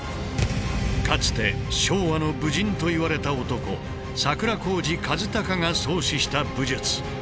かつて昭和の武人といわれた男櫻公路一顱が創始した武術。